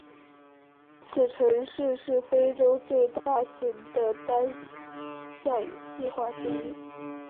此城市是非洲最大型的单项计划之一。